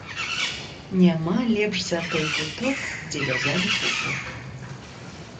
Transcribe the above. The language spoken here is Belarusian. Няма лепш за той куток, дзе вязалі пупок